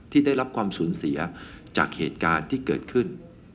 ได้รับความสูญเสียจากเหตุการณ์ที่เกิดขึ้น